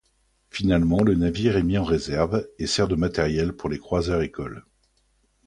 Finalement le navire est mis en réserve et sert de matériel pour les croiseurs-écoles.